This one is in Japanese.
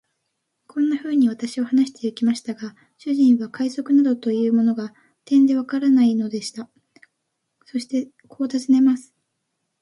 こんなふうに私は話してゆきましたが、主人は海賊などというものが、てんでわからないのでした。そしてこう尋ねます。